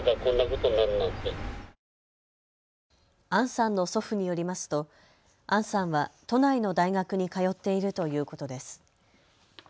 杏さんの祖父によりますと杏さんは都内の大学に通っているということです。